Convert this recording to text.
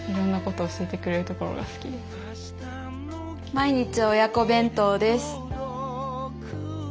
「毎日親子弁当」です。